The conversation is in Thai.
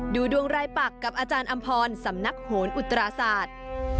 ดูดวงรายปักกับอาจารย์อำพรสำนักโหนอุตราศาสตร์